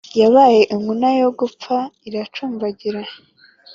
yabaye inkuna yo gupfa, iracumbagira